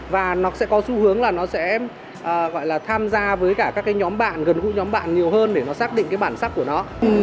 và nó sẽ có xu hướng là nó sẽ tham gia với các nhóm bạn gần gũi nhóm bạn nhiều hơn để nó xác định cái bản sắc của nó